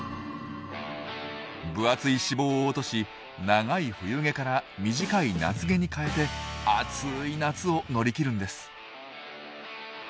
分厚い脂肪を落とし長い冬毛から短い夏毛に換えて暑い夏を乗り切るんです。